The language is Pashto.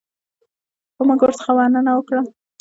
خو موږ ورڅخه مننه وکړه.